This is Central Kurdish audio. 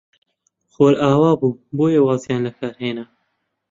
خۆر ئاوا بوو، بۆیە وازیان لە کار هێنا.